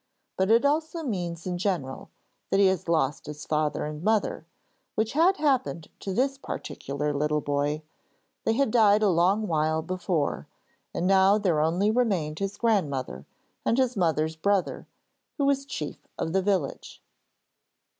But it also means in general that he has lost his father and mother, which had happened to this particular little boy. They had died a long while before, and now there only remained his grandmother and his mother's brother, who was chief of the village.